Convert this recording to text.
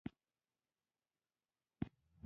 ملي تحریک د هیواد او ملت لپاره کار کوي